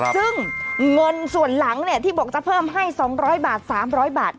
ซึ่งเงินส่วนหลังที่บอกจะเพิ่มให้๒๐๐บาท๓๐๐บาท